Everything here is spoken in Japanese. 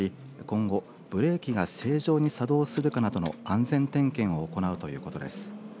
今後、ブレーキが正常に作動するかなどの安全点検を行うということです。